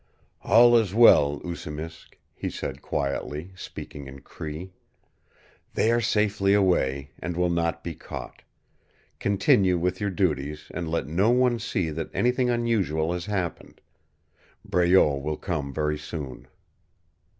"All is well, Oosimisk," he said quietly, speaking in Cree. "They are safely away, and will not be caught. Continue with your duties and let no one see that anything unusual has happened. Breault will come very soon."